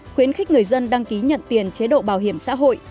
khuyến khích người dân đăng ký nhận tiền chế độ bảo hiểm xã hội